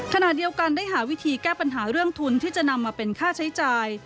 ขณะเดียวกันได้หาวิธีแก้ปัญหาเรื่องทุนที่จะนำมาเป็นค่าใช้จ่าย